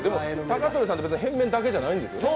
高取さんは変面だけじゃないんですよね？